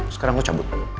sekarang lo cabut